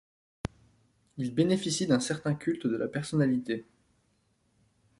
Il bénéficie d'un certain culte de la personnalité.